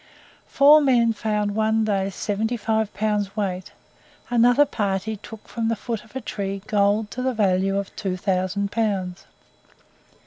Four men found one day seventy five pounds weight; another party took from the foot of a tree gold to the value of 2000 pounds.